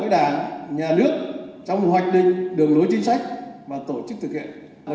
với đảng nhà nước trong hoạch định đường lối chính sách và tổ chức thực hiện